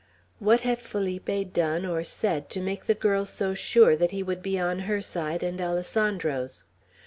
What had Felipe done or said to make the girl so sure that he would be on her side and Alessandro's?